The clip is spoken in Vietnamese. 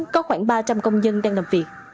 có khoảng ba trăm linh công nhân đang làm việc